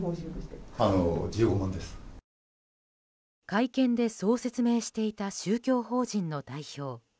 会見でそう説明していた宗教法人の代表。